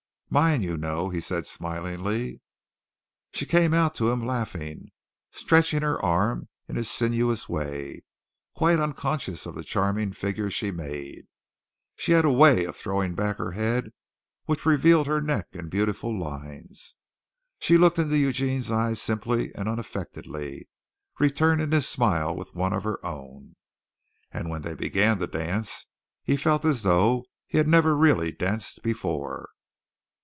"Mine, you know," he said smilingly. She came out to him laughing, stretching her arm in a sinuous way, quite unconscious of the charming figure she made. She had a way of throwing back her head which revealed her neck in beautiful lines. She looked into Eugene's eyes simply and unaffectedly, returning his smile with one of her own. And when they began to dance he felt as though he had never really danced before.